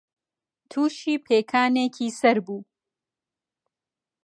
تووشی پێکانێکی سەر بوو